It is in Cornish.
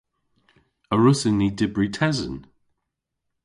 A wrussyn ni dybri tesen?